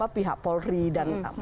pihak polri dan